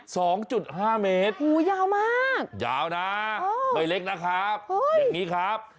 สองจุดห้าเมตรโอ้โหยาวมากยาวนะไม่เล็กนะครับอย่างนี้ครับ